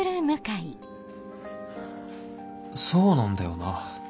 そうなんだよな